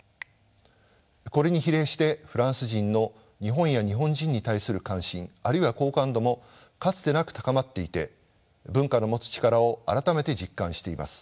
これに比例してフランス人の日本や日本人に対する関心あるいは好感度もかつてなく高まっていて文化の持つ力を改めて実感しています。